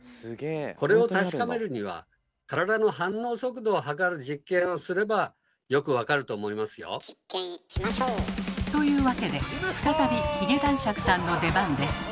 これを確かめるには体の反応速度を測る実験をすればよく分かると思いますよ。というわけで再び髭男爵さんの出番です。